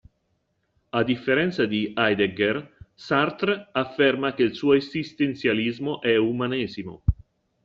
A differenza di Heidegger Sartre affermerà che il suo esistenzialismo è umanesimo.